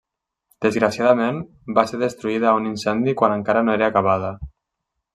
Desgraciadament, va ser destruïda a un incendi quan encara no era acabada.